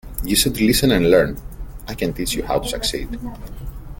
You should listen and learn; I can teach you how to succeed